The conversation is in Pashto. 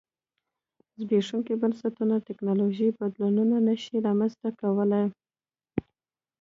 زبېښونکي بنسټونه ټکنالوژیکي بدلونونه نه شي رامنځته کولای.